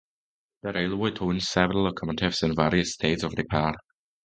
The railroad owns several locomotives in various states of repair.